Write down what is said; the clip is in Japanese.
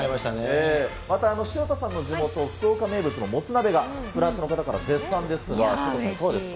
また潮田さんの地元、福岡名物のもつ鍋がフランスの方から絶賛ですが、どうですか？